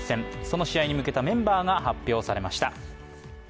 その試合に向けたメンバーが発表されました。